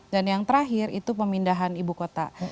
dan yang terakhir itu pemindahan ibu kota